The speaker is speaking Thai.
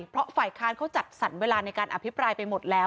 เพราะฝ่ายค้านเขาจัดสรรเวลาในการอภิปรายไปหมดแล้ว